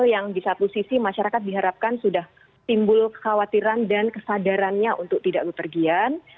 yang di satu sisi masyarakat diharapkan sudah timbul kekhawatiran dan kesadarannya untuk tidak berpergian